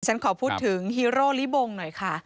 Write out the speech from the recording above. ฉันขอพูดถึงฮีโร่ลิบงหน่อยค่ะ